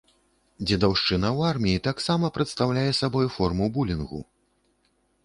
Дзедаўшчына ў арміі таксама прадстаўляе сабой форму булінгу.